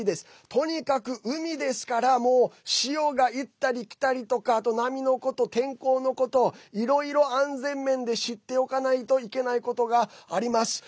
とにかく海ですから潮が行ったりきたりとか波のこと、天候のこといろいろ安全面で知っておかないといけないことがあります。